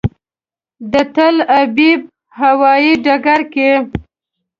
د تل ابیب هوایي ډګر کې.